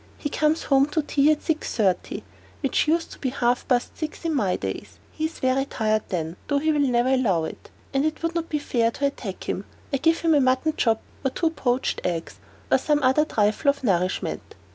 He comes home to tea at 6.30, which used to be half past six in my days. He is very tired then, though he never will allow it, and it would not be fair to attack him. I give him a mutton chop, or two poached eggs, or some other trifle of nourishment.